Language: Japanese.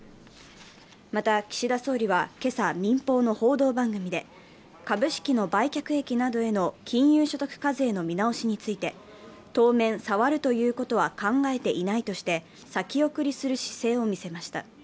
また岸田総理は今朝、民放の報道番組で株式の売却益などへの金融所得課税の見直しについて当面、触るということは考えていないとして先送りする姿勢をみせました。